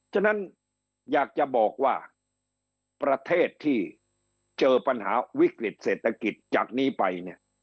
ฉะนั้นอยากจะบอกว่าประเทศที่เจอปัญหาวิกฤตเศรษฐกิจจากนี้ไปเนี่ย